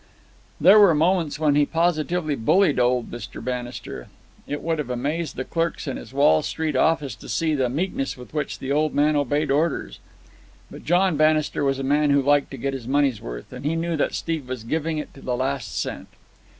There were moments when he positively bullied old Mr. Bannister. It would have amazed the clerks in his Wall Street office to see the meekness with which the old man obeyed orders. But John Bannister was a man who liked to get his money's worth, and he knew that Steve was giving it to the last cent.